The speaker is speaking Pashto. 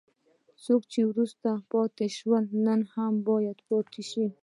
څوک چې وروسته پاتې شول نن هم باید پاتې شي.